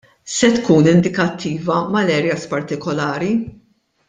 Se tkun indikattiva mal-areas partikolari?